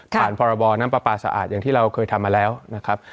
พรบน้ำปลาปลาสะอาดอย่างที่เราเคยทำมาแล้วนะครับ